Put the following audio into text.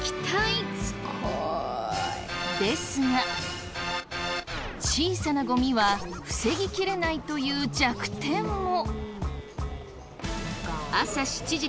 ですが小さなゴミは防ぎ切れないという弱点も。